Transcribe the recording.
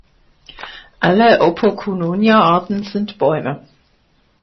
Alle "Opocunonia"-Arten sind Bäume.